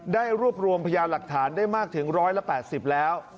ได้รวบรวมพยานหลักฐานได้มากถึง๑๘๐แล้ว